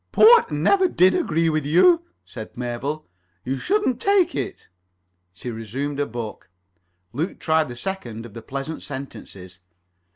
"Port never did agree with you," said Mabel. "You shouldn't take it." She resumed her book. Luke tried the second of the pleasant sentences.